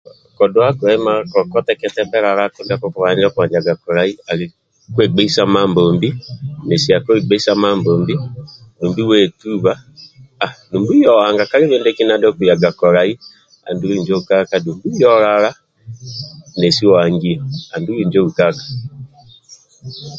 Kodua gwehima ndiakoteketibe lalako ndio kubajaga kolai kwegheisa Mambombi dumbi mesia kwe gbeisa Mambombi dumbi wetuba ahh dumbi oya oanga kalibe ndiekina ndio okuyaga kolai andi injo ukaka oya olala nesi oangio andulu njo ukaka